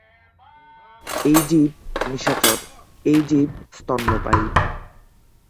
এই জীব নিশাচর এই জীব স্তন্যপায়ী।